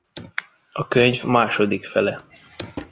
A könyv második fele.